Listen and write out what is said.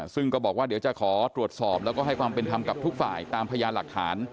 ซึ่งก็บอกว่าเดี๋ยวจะขอตรวจสอบแล้วก็ให้ความเป็นธรรมกับทุกฝ่ายตามพยานหลักฐาน